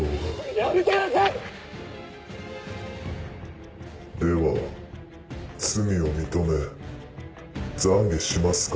やめてください！では罪を認め懺悔しますか？